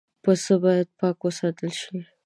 پسه باید پاک وساتل شي.